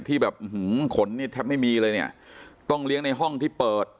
ที่แบบขนนี่แทบไม่มีเลยเนี่ยต้องเลี้ยงในห้องที่เปิด